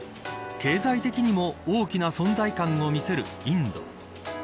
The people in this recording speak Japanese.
経済的にも大きな存在感を見せるインド。